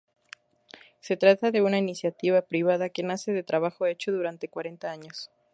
Se trata de una iniciativa privada que nace de trabajo hecho durante cuarenta años.